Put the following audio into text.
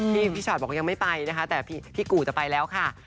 พี่ชอตบอกยังไม่ไปนะคะแต่พี่กู่จะไปแล้วค่ะ